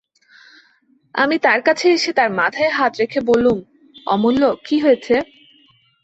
আমি তার কাছে এসে তার মাথায় হাত রেখে বললুম, অমূল্য, কী হয়েছে?